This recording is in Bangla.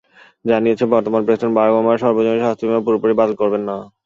জানিয়েছেন, বর্তমান প্রেসিডেন্ট বারাক ওবামার সর্বজনীন স্বাস্থ্যবিমা পুরোপুরি বাতিল করবেন না।